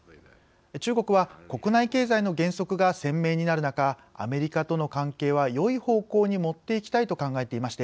中国は国内経済の減速が鮮明になる中アメリカとの関係はよい方向に持っていきたいと考えていまして